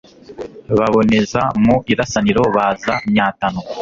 Baboneza mu Irasaniro baza Myatano